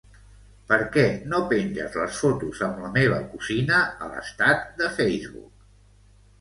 Per què no penges les fotos amb la meva cosina a l'estat de Facebook?